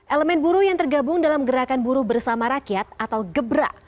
elemen buruh yang tergabung dalam gerakan buruh bersama rakyat atau gebra